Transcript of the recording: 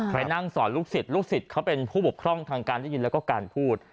ไปนั่งสอนลูกศิษย์ลูกศิษย์เขาเป็นผู้บกพร่องทางการได้ยินแล้วก็การพูด